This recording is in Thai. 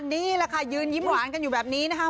นี่แหละค่ะยืนยิ้มหวานกันอยู่แบบนี้นะคะ